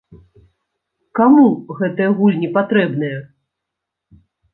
Каму гэтыя гульні патрэбныя?